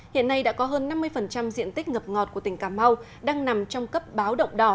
hiện nay đã có hơn năm mươi diện tích ngập ngọt của tỉnh cà mau đang nằm trong cấp báo động đỏ